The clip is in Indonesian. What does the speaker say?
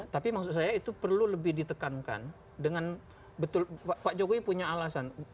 tapi maksud saya itu perlu lebih ditekankan dengan betul pak jokowi punya alasan